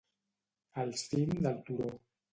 Al cim del turó.